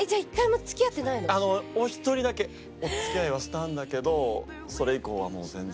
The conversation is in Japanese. お一人だけお付き合いはしたんだけどそれ以降はもう全然。